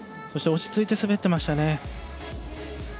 そして落ち着いて滑っていました。